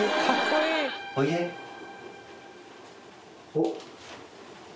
おっ。